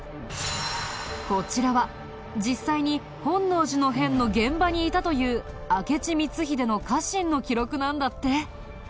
こちらは実際に本能寺の変の現場にいたという明智光秀の家臣の記録なんだって。